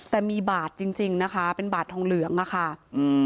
แต่มีบาทจริงจริงนะคะเป็นบาททองเหลืองอ่ะค่ะอืม